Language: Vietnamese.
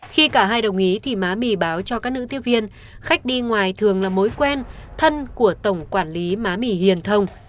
khi cả hai đồng ý thì má mì báo cho các nữ tiếp viên khách đi ngoài thường là mối quen thân của tổng quản lý má mì hiền thông